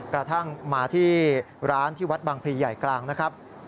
กระทั่งมาที่ร้านที่วัดบางพลีใหญ่กลางนะครับ